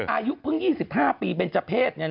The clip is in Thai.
อายุเพิ่ง๒๕ปีเบนเจอร์เพศ